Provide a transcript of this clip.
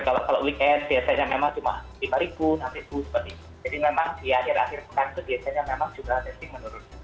jadi memang di akhir akhir kasus biasanya memang juga testing menurut saya